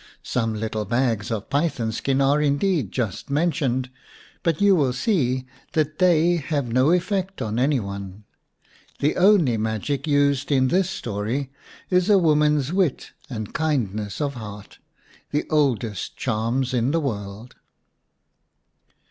Some little bags of python skin are indeed just mentioned, but you will see that they have no effect on any one. The only magic used in this story is a woman's wit and kindness of heart, the oldest charms in the world.